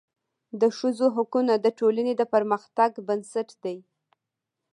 د ښځو حقونه د ټولني د پرمختګ بنسټ دی.